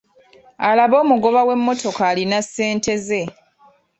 Alabe omugoba w'emmotoka alina ssente ze.